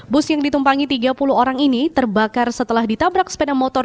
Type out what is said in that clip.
bus yang ditumpangi tiga puluh orang ini terbakar setelah ditabrak sepeda motor